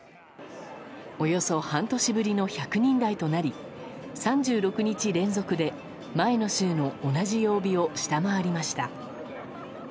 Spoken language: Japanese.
およそ半年ぶりの１００人台となり３６日連続で前の週の同じ曜日を下回りました。